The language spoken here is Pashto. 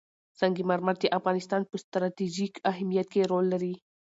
سنگ مرمر د افغانستان په ستراتیژیک اهمیت کې رول لري.